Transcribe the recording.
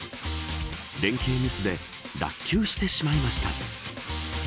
連係ミスで落球してしまいました。